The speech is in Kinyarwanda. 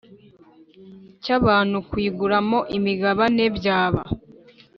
Cy abantu kuyiguramo imigabane byaba